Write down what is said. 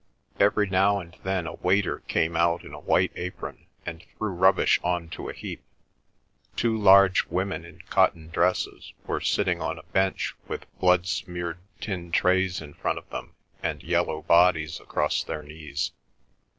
Every now and then a waiter came out in a white apron and threw rubbish on to a heap. Two large women in cotton dresses were sitting on a bench with blood smeared tin trays in front of them and yellow bodies across their knees.